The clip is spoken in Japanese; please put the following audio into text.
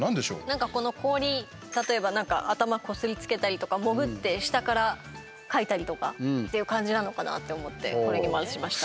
なんか、この氷例えば頭こすりつけたりとか潜って下から、かいたりとかっていう感じなのかなって思ってこれに丸しました。